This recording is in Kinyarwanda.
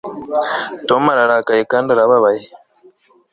tom ararakaye kandi arababaye